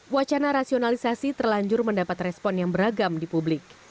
wacana rasionalisasi terlanjur mendapat respon yang beragam di publik